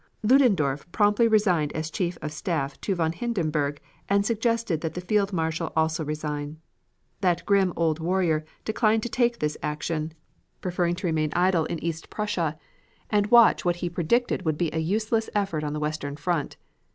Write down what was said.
Ludendorf promptly resigned as Chief of Staff to von Hindenburg and suggested that the Field Marshal also resign. That grim old warrior declined to take this action, preferring to remain idle in East Prussia and watch what he predicted would be a useless effort on the western front.